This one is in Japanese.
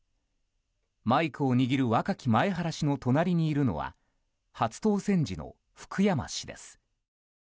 マイクを握る若き前原氏の隣にいるのは初当選時の福山氏です。